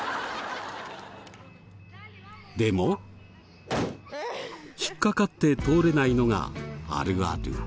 でも引っ掛かって通れないのがあるある。